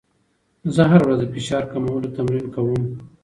زه هره ورځ د فشار کمولو تمرین کوم.